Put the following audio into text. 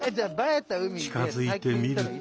近づいてみると。